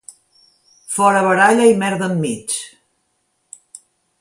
Fora baralla i merda enmig!